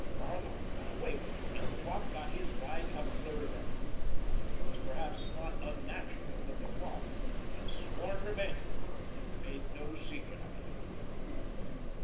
Barloff got away with it, and the Wop got his ride "up the river." It was perhaps not unnatural that the Wop had sworn revenge, and had made no secret of it!